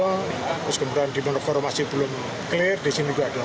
terus kemudian di manokro masih belum clear di sini juga ada